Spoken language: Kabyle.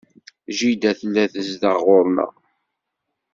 Jida tella tezdeɣ ɣur-neɣ.